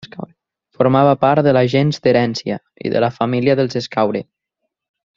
Formava part de la gens Terència, i de la família dels Escaure.